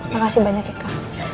makasih banyak ika